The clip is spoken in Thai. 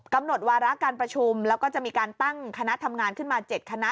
กำหนดวาระการประชุมแล้วก็จะมีการตั้งคณะทำงานขึ้นมา๗คณะ